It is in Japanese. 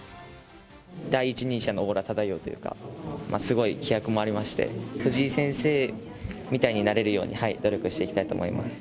第一人者のオーラ漂うといいますか、すごい気迫もありまして、藤井先生みたいになれるように、努力していきたいと思います。